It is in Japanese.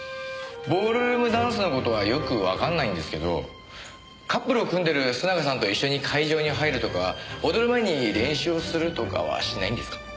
ボールルームダンスの事はよくわかんないんですけどカップルを組んでる須永さんと一緒に会場に入るとか踊る前に練習をするとかはしないんですか？